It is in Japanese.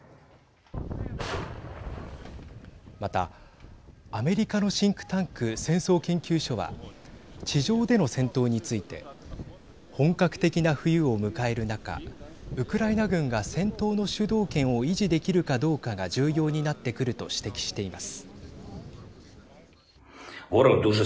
また、アメリカのシンクタンク戦争研究所は地上での戦闘について本格的な冬を迎える中ウクライナ軍が戦闘の主導権を維持できるかどうかが重要になってくると指摘しています。